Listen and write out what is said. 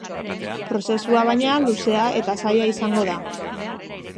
Prozesua, baina, luzea eta zaila izango da.